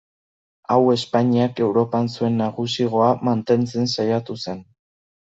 Hau Espainiak Europan zuen nagusigoa mantentzen saiatu zen.